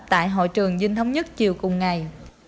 tại hội trường dinh thống nhất chiều cùng ngày